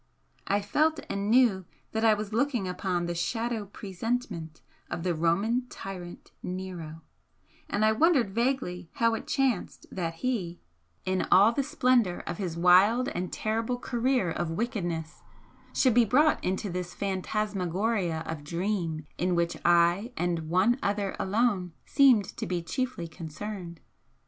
I felt and knew that I was looking upon the 'shadow presentment' of the Roman tyrant Nero; and I wondered vaguely how it chanced that he, in all the splendour of his wild and terrible career of wickedness, should be brought into this phantasmagoria of dream in which I and One Other alone seemed to be chiefly concerned.